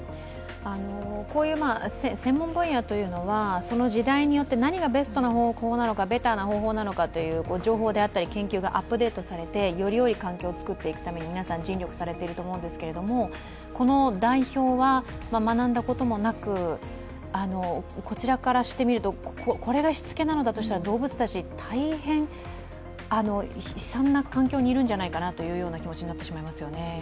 こういう専門分野というのはその時代によって何がベストな方法なのか、ベターな方法なのかという情報だったり研究がアップデートされてよりよい環境を作っていくために皆さん、尽力されていると思うんですけどこの代表は学んだこともなく、こちらからしてみると、これがしつけなのだとしたら動物たち、大変悲惨な環境にいるのではないかという気持ちになってしまいますね。